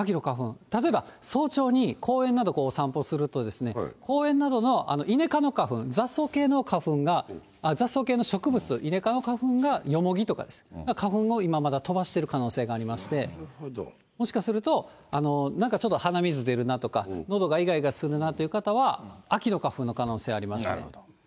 例えば早朝に、公園などを散歩すると公園などのイネ科の花粉、雑草系の花粉が雑草系の植物、イネ科の花粉がヨモギとかです、が花粉を今まだ飛ばしている可能性がありまして、もしかすると、なんかちょっと、鼻水出るなとか、のどがいがいがするなという方は、秋の花粉の可能性ありますね。